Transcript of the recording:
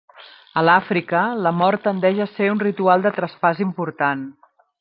A l'Àfrica, la mort tendeix a ser un ritual de traspàs important.